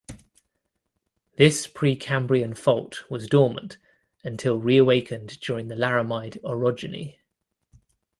This Precambrian fault was dormant until reawakened during the Laramide orogeny.